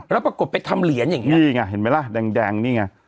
แล้วปรากฏไปทำเหรียญอย่างงี้